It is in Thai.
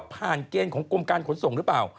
เกณฑ์ของกรมการขนส่งหรือเปล่า